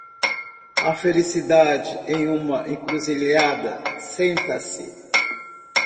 A felicidade em uma encruzilhada senta-se.